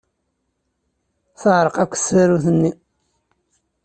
Teɛreq akk tsarut-nni.